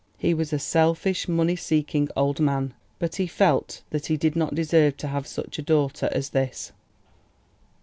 He was a selfish, money seeking old man, but he felt that he did not deserve to have such a daughter as this.